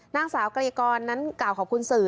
นางสาวกรยากรนั้นกล่าวขอบคุณสื่อ